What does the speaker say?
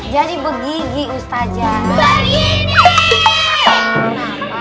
jadi begigi ustazah